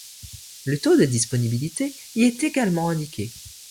Le taux de disponibilité y est également indiqué.